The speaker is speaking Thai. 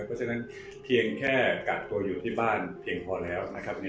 เพราะฉะนั้นแค่กัดตัวอยู่ที่บ้านเพียงพอแล้ว